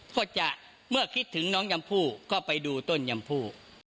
ก็จะเมื่อคิดถึงน้องจมผู้ก็ไปดูต้นจมผู้